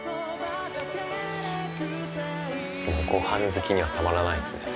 ご飯好きにはたまらないっすね。